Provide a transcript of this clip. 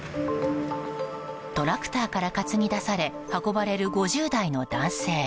トラクターから担ぎ出され運ばれる５０代の男性。